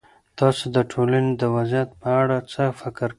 تاسو د ټولنې د وضعيت په اړه څه فکر کوئ؟